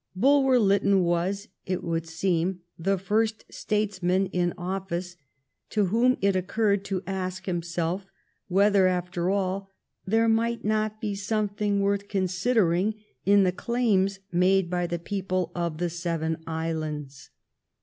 Bulwer Lytton was, it would seem, the first statesman in of fice to whom it occurred to ask himself whether, after all, there might not be EmvAKii geoki;e eari.f. [Aiinv lit hi; somctliing wortli the claims made by the people of the seven islands.